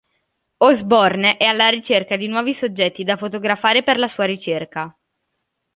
Osborne è alla ricerca di nuovi soggetti da fotografare per la sua ricerca.